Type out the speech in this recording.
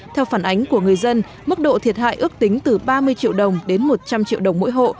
theo phản ánh của người dân mức độ thiệt hại ước tính từ ba mươi triệu đồng đến một trăm linh triệu đồng mỗi hộ